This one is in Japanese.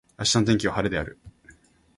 明日の天気は晴れである。